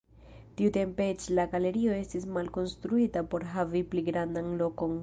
Tiutempe eĉ la galerio estis malkonstruita por havi pli grandan lokon.